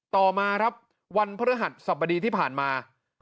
ต่อมาครับวันพระฤหัสสบดีที่ผ่านมา